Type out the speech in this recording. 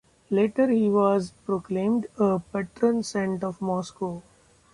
Later he was proclaimed a patron saint of Moscow.